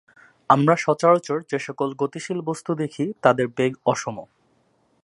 আমরা সচরাচর যেসকল গতিশীল বস্তু দেখি তাদের বেগ অসম।